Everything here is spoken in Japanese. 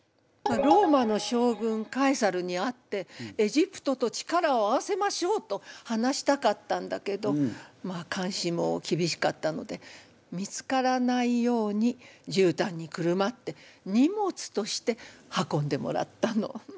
ローマの将軍カエサルに会ってエジプトと力を合わせましょうと話したかったんだけどまあかんしもきびしかったので見つからないようにじゅうたんにくるまって荷物として運んでもらったの。